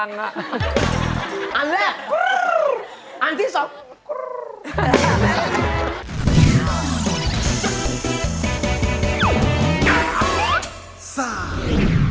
อันแรกอันที่สอง